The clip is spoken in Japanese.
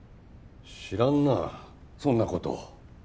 知らんなそんな事。